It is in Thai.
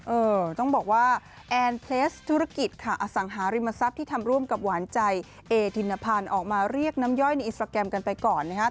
เออต้องบอกว่าแอนเพลสธุรกิจค่ะอสังหาริมทรัพย์ที่ทำร่วมกับหวานใจเอธินพันธ์ออกมาเรียกน้ำย่อยในอินสตราแกรมกันไปก่อนนะครับ